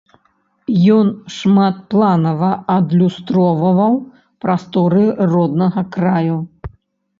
Ён шматпланава адлюстроўваў прасторы роднага краю.